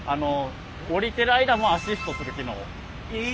降りてる間もアシストする機能。え！？